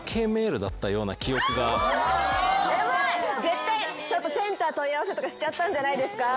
絶対センター問い合わせとかしちゃったんじゃないですか？